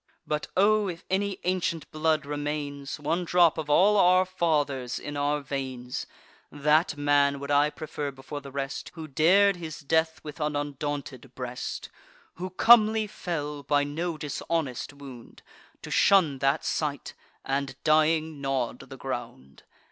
But, O! if any ancient blood remains, One drop of all our fathers', in our veins, That man would I prefer before the rest, Who dar'd his death with an undaunted breast; Who comely fell, by no dishonest wound, To shun that sight, and, dying, gnaw'd the ground.